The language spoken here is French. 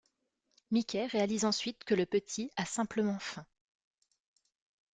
Mickey réalise ensuite que le petit a simplement faim.